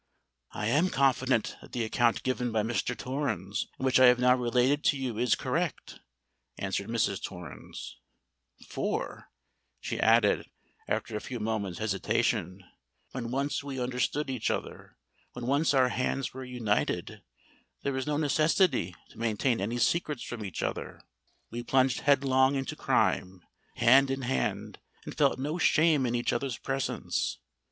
"I am confident that the account given by Mr. Torrens, and which I have now related to you, is correct," answered Mrs. Torrens: "for," she added, after a few moments' hesitation, "when once we understood each other—when once our hands were united—there was no necessity to maintain any secrets from each other. We plunged headlong into crime, hand in hand—and felt no shame in each other's presence.